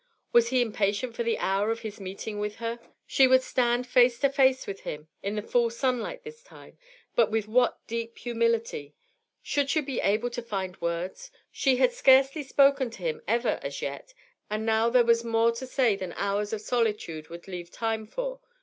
Was he impatient for the hour of his meeting with her? She would stand face to face with him in the full Sunlight this time, but with what deep humility! Should she be able to find words? She had scarcely spoken to him, ever, as yet, and now there was more to say than hours of solitude would leave time for.